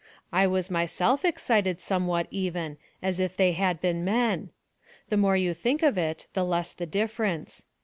I was myself excited somewhat even as if they had been men. The more you think of it, the less the difference.